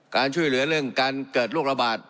การช่วยเหลือเรื่องการเกิดโรคระบาด